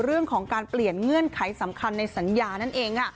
เรื่องของการเปลี่ยนเงื่อนไขสำคัญในสัญญานั่นเองค่ะ